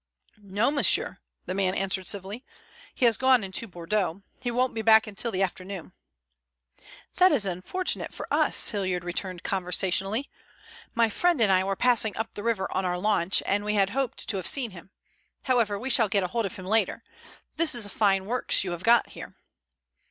"No, monsieur," the man answered civilly, "he has gone into Bordeaux. He won't be back until the afternoon." "That's unfortunate for us," Hilliard returned conversationally. "My friend and I were passing up the river on our launch, and we had hoped to have seen him. However, we shall get hold of him later. This is a fine works you have got here."